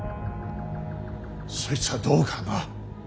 そいつはどうかな。